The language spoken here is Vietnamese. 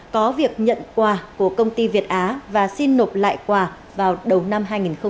có việc nhận quà của công ty việt á và xin nộp lại quà vào đầu năm hai nghìn hai mươi